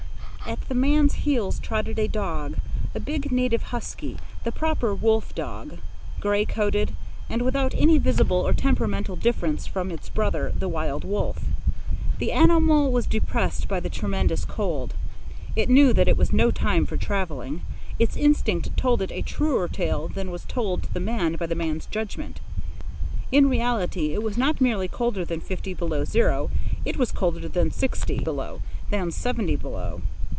At the man's heels trotted a dog, a big native husky, the proper wolf dog, grey coated and without any visible or temperamental difference from its brother, the wild wolf. The animal was depressed by the tremendous cold. It knew that it was no time for travelling. Its instinct told it a truer tale than was told to the man by the man's judgment. In reality, it was not merely colder than fifty below zero; it was colder than sixty below, than seventy below.